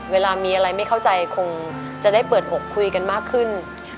เวลามีอะไรไม่เข้าใจคงจะได้เปิดอกคุยกันมากขึ้น